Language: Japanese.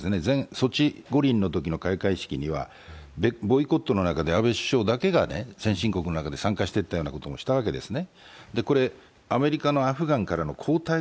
ソチ五輪の開会式のときは、ボイコットの中で安倍首相だけが先進国の中で参加していったようなこともしたわけですね。